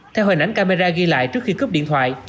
theo hình ảnh camera ghi lại trước khi cướp điện thoại